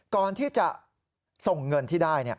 ก่อนที่จะส่งเงินที่ได้